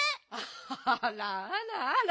あらあらあら。